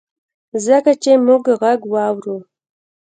ځکه چي مونږ ږغ واورو